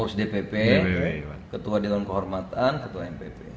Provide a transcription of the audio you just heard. om rosi dpp ketua dewan kehormatan ketua mpp